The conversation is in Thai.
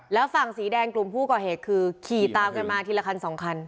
แล้วฝั่งสีแดงกลุ่มผู้ก่อเหตุคือขี่ตามกันมาทีละคันสองคัน